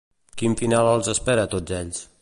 Quin final els espera a tots ells?